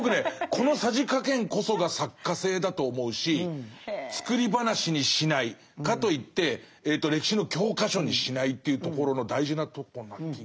このさじ加減こそが作家性だと思うし作り話にしないかといって歴史の教科書にしないというところの大事なとこな気が。